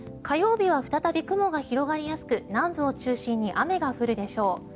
火曜日は再び雲が広がりやすく南部を中心に雨が降るでしょう。